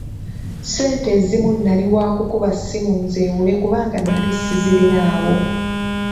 Ssente ezimu nali waakukuba ssimu nzeewole kubanga nnali sizirinaawo.